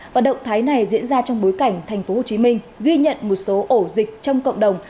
và động thái này diễn ra trong bối cảnh tp hcm ghi nhận một số ổ dịch trong cộng đồng